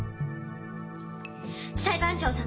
裁判長様！